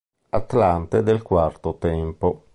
Atlante del Quarto Tempo.